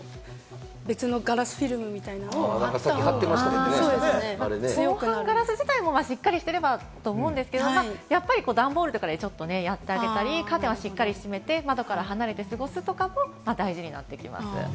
別なガラスフィルムみたいなものを防犯ガラス自体もしっかりしてればと思うんですけれども、段ボールとかでやっぱりやってあげたり、カーテンを閉めて窓から離れて過ごすとかも大事になってきます。